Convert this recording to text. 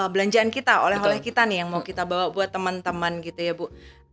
belanjaan kita oleh oleh kita nih yang mau kita bawa buat teman teman gitu ya bu